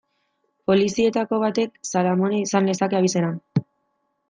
Polizietako batek Salamone izan lezake abizena.